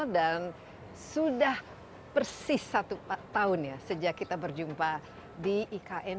dan sudah persis satu tahun sejak kita berjumpa di ikn